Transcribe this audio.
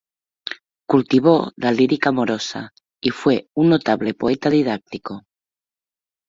Cultivó la lírica amorosa y fue un notable poeta didáctico.